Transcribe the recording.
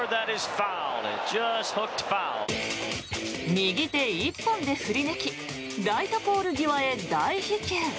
右手一本で振り抜きライトポール際へ大飛球。